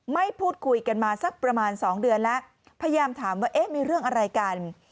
ไม่พูดคุยกันมาสักประมาณ๒เดือนแล้วพยายามถามว่าเอ๊ะมีเรื่องอะไรกัน